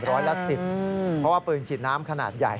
ร้อยละ๑๐เพราะว่าปืนฉีดน้ำขนาดใหญ่